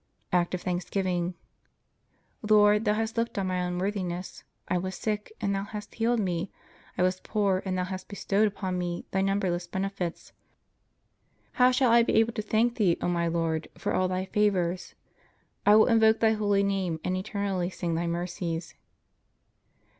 Act of Thanksgiving. Lord, Thou hast looked on my unworthiness. I was sick, and Thou hast healed me. I was poor, and Thou hast bestowed upon me Thy numberless benefits. How shall I be able to thank Thee, O my Lord, for all Thy favors? I will invoke Thy holy name, and eternally sing Thy mercies.